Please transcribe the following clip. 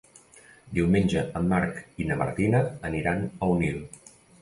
Diumenge en Marc i na Martina aniran a Onil.